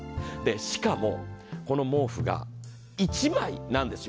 しかも、この毛布が１枚なんですよ